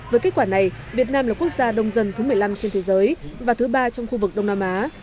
với kết quả này việt nam là quốc gia đông dân thứ một mươi năm trên thế giới và thứ ba trong khu vực đông nam á